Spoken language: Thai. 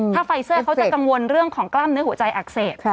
ถ้าไฟเซอร์เขาจะกังวลเรื่องของกล้ามเนื้อหัวใจอักเสบ